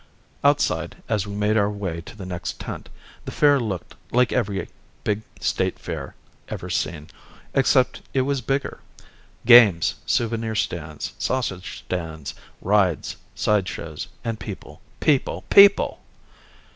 Outside, as we made our way to the next tent, the fair looked like every big State Fair ever seen, except it was bigger. Games, souvenir stands, sausage stands, rides, side shows, and people, people, people.